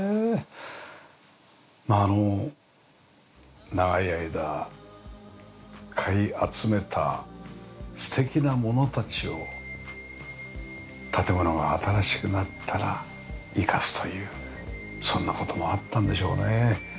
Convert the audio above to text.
まああの長い間買い集めた素敵なものたちを建物が新しくなったら生かすというそんな事もあったんでしょうねえ。